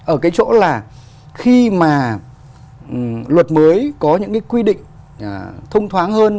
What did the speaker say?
ở cái chỗ là khi mà luật mới có những cái quy định thông thoáng hơn